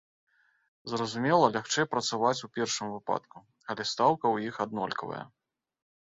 Зразумела, лягчэй працаваць у першым выпадку, але стаўка ў іх аднолькавая.